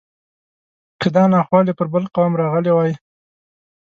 که دا ناخوالې پر بل قوم راغلی وای.